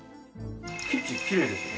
キッチンきれいですね。